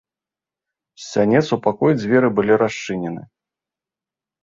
З сянец у пакой дзверы былі расчынены.